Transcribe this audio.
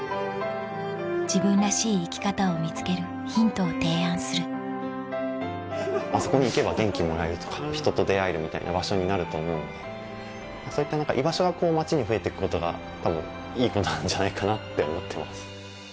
自分らしい生き方を見つけるヒントを提案するあそこに行けば元気もらえるとか人と出会えるみたいな場所になると思うのでそういった居場所が街に増えて行くことが多分いいことなんじゃないかなって思ってます。